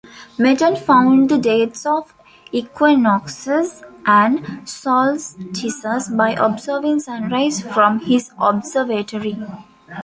Meton found the dates of equinoxes and solstices by observing sunrise from his observatory.